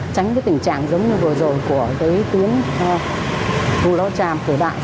tránh tình trạng giống như vừa rồi của tuyến thu lo tràm của đạn